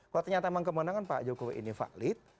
kalau ternyata memang kemenangan pak jokowi ini valid